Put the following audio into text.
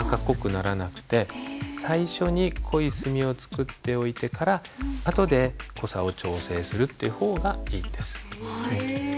最初に濃い墨を作っておいてから後で濃さを調整するっていう方がいいんです。